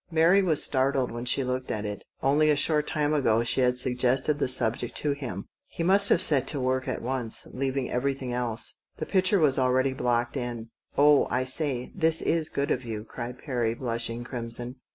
Mary was startled when she looked at it. Only a short time ago she had suggested the subject to him. He must have set to work at once, leaving everything else. The picture was already blocked in. "Oh, I say, this is good of you," cried Perry, blushing crimson.